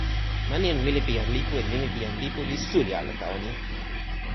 mani en wile pi jan lipu en nimi pi jan lipu li suli ala tawa ni.